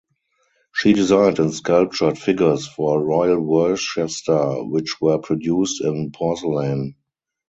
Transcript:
She designed and sculpted figures for Royal Worcester which were produced in porcelain.